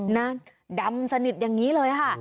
ดำสนิทอย่างนี้เลยค่ะ